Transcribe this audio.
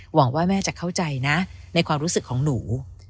หวังว่าแม่จะเข้าใจนะในความรู้สึกของหนู